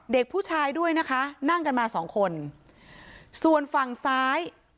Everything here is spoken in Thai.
เด็กผู้ชายด้วยนะคะนั่งกันมาสองคนส่วนฝั่งซ้าย